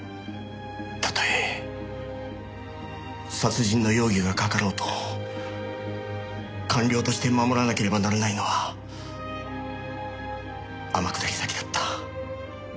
たとえ殺人の容疑がかかろうと官僚として守らなければならないのは天下り先だった。